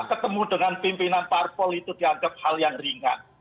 ketemu dengan pimpinan parpol itu dianggap hal yang ringan